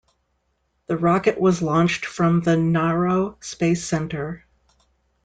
The rocket was launched from the Naro Space Center.